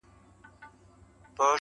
د دې ژوندیو له کتاره به وتلی یمه!